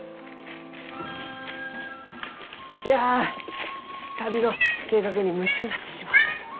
いや旅の計画に夢中になってしもうて。